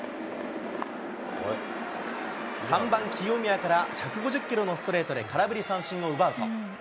３番清宮から１５０キロのストレートで空振り三振を奪うと。